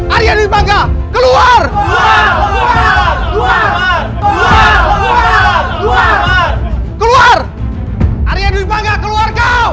ariadwibangga keluar keluar keluar keluar keluar keluar keluar keluar keluar keluar keluar